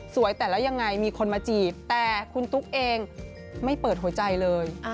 แต่ละยังไงมีคนมาจีบแต่คุณตุ๊กเองไม่เปิดหัวใจเลย